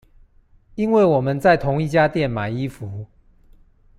因為我們在同一家店買衣服